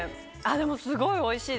でもすごいおいしいです。